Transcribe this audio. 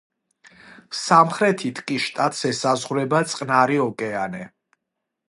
სამხრეთით კი შტატს ესაზღვრება წყნარი ოკეანე.